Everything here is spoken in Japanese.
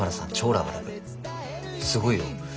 すごいよ。